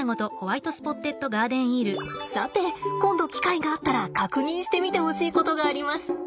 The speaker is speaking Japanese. さて今度機会があったら確認してみてほしいことがあります。